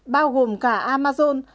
bao gồm cả amazon